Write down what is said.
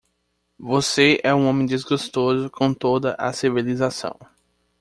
Você é um homem desgostoso com toda a civilização.